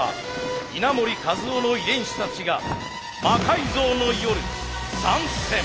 稲盛和夫の遺伝子たちが「魔改造の夜」参戦。